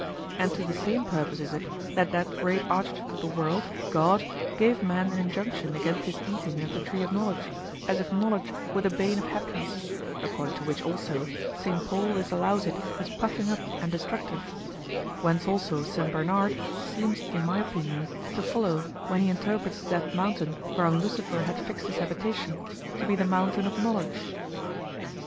And to the same purpose is it that that great Architect of the World, God, gave man an injunction against his eating of the Tree of Knowledge, as if knowledge were the bane of happiness; according to which also, St. Paul disallows it as puffing up and destructive; whence also St. Bernard seems in my opinion to follow when he interprets that mountain whereon Lucifer had fixed his habitation to be the mountain of knowledge.